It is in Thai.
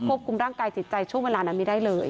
คุมร่างกายจิตใจช่วงเวลานั้นไม่ได้เลย